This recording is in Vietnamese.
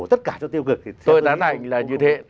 tất cả cho tiêu cực thì tôi đoán ảnh là như thế